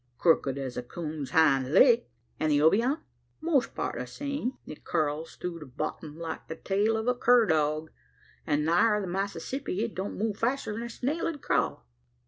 "Crooked as a coon's hind leg." "And the Obion?" "Most part the same. It curls through the bottom like the tail o' a cur dog; an' nigher the Massissippy, it don't move faster than a snail 'ud crawl.